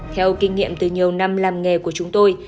theo kinh nghiệm từ nhiều năm làm nghề của chúng tôi